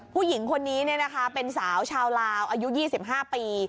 ผู้หญิงคนนี้เนี่ยนะคะเป็นสาวชาวลาวอายุ๒๕ปี